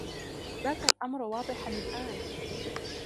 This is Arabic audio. بات الأمر واضحا الآن.